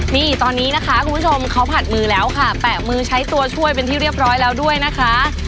นี่ตอนนี้นะคะคุณผู้ชมเขาผัดมือแล้วค่ะแปะมือใช้ตัวช่วยเป็นที่เรียบร้อยแล้วด้วยนะคะ